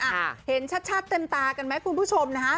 อ่ะเห็นชัดเต็มตากันไหมคุณผู้ชมนะคะ